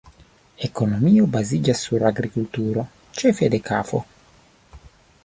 Ekonomio baziĝas sur agrikulturo, ĉefe de kafo.